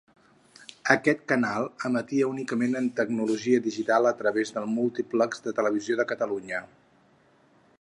Aquest canal emetia únicament en tecnologia digital a través del múltiplex de Televisió de Catalunya.